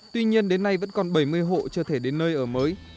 tuy nhiên đến nay vẫn còn bảy mươi hộ chưa thể đến nơi ở mới